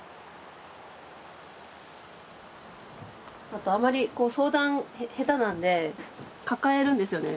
あとあんまり相談下手なんで抱えるんですよね